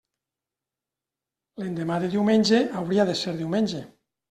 L'endemà de diumenge hauria de ser diumenge.